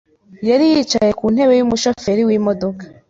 yari yicaye ku ntebe yumushoferi wimodoka.